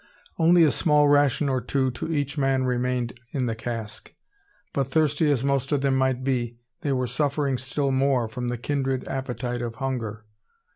Only a small ration or two to each man remained in the cask; but thirsty as most of them might be, they were suffering still more from the kindred appetite of hunger.